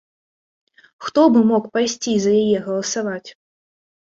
Хто бы мог пайсці за яе галасаваць!?